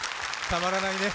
たまらないね。